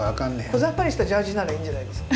こざっぱりしたジャージならいいんじゃないですか？